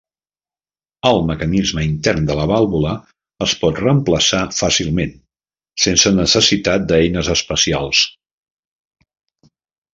El mecanisme intern de la vàlvula es pot reemplaçar fàcilment, sense necessitat d'eines especials.